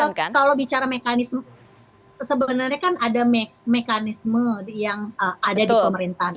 kalau bicara mekanisme sebenarnya kan ada mekanisme yang ada di pemerintahan